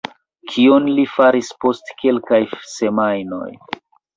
Kion li faris post kelkaj semajnoj?